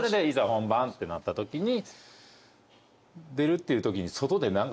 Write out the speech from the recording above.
本番ってなったときに。